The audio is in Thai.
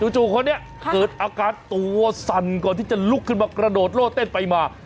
จู่คนนี้เกิดอาการตัวสั่นก่อนที่จะลุกขึ้นมากระโดดโล่เต้นไปมา